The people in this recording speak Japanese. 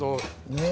ねえ。